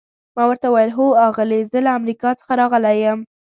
ما ورته وویل: هو آغلې، زه له امریکا څخه راغلی یم.